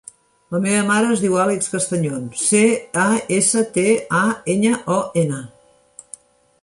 La meva mare es diu Àlex Castañon: ce, a, essa, te, a, enya, o, ena.